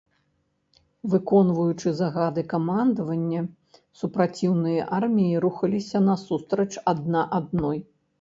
Выконваючы загады камандавання, супраціўныя арміі рухаліся насустрач адна адной.